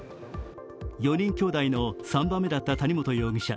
４人兄弟の３番目だった谷本容疑者。